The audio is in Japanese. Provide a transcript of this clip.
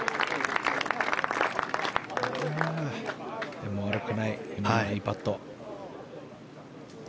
でも悪くないいいパット。